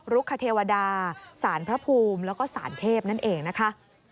รุกเทวดาสารพระภูมิแล้วก็สารเทพนั่นเองนะคะ